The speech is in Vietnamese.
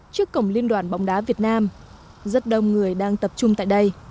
trước cổng liên đoàn bóng đá việt nam rất đông người đang tập trung tại đây